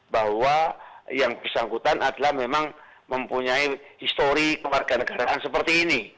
bahwa yang bersangkutan adalah memang mempunyai histori keluarga negaraan seperti ini